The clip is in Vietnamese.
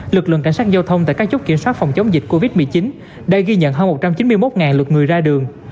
lực lượng cảnh sát giao thông tại các chốt kiểm soát phòng chống dịch covid một mươi chín đã ghi nhận hơn một trăm chín mươi một lượt người ra đường